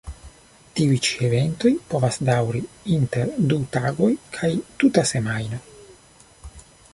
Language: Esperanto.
Tiuj ĉi eventoj povas daŭri inter du tagoj kaj tuta semajno.